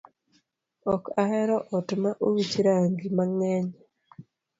Ok ahero ot ma owich rangi mangeny